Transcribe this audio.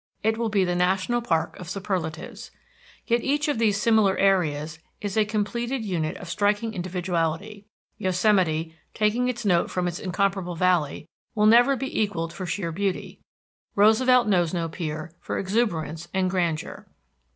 It will be the national park of superlatives. Yet each of these similar areas is a completed unit of striking individuality. Yosemite, taking its note from its incomparable Valley, never will be equalled for sheer beauty; Roosevelt knows no peer for exuberance and grandeur.